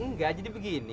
enggak jadi begini